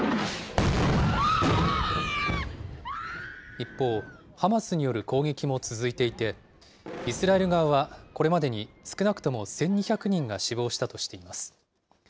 一方、ハマスによる攻撃も続いていて、イスラエル側は、これまでに少なくとも１２００人が死亡したとしています。